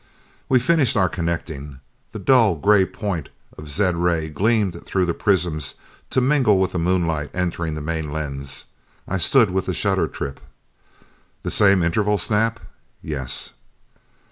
We finished our connecting. The dull gray point of zed ray gleamed through the prisms to mingle with the moonlight entering the main lens. I stood with the shutter trip. "The same interval, Snap?" "Yes."